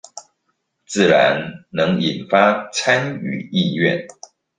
自然能引發參與意願